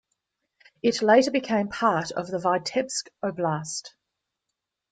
It later became part of the Vitebsk oblast.